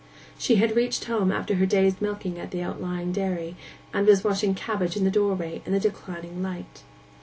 She had reached home after her day's milking at the outlying dairy, and was washing cabbage at the doorway in the declining light.